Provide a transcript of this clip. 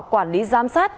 quản lý giám sát